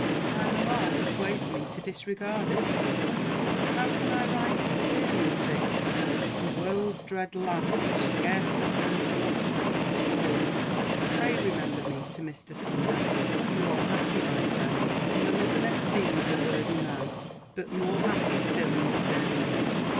My mamma persuades me to disregard it; but how can I rise superior to "the world's dread laugh, which scarce the firm philosopher can scorn"? Pray remember me to Mr. Sumner. You are happy, my friend, in the love and esteem of a worthy man, but more happy still in deserving them.